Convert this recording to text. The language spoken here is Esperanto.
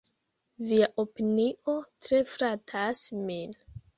Via opinio tre flatas min.